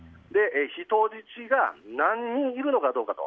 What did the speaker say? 人質が何人いるのかどうかと。